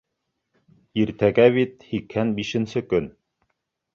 Иртәгә бит һикһән бишенсе көн.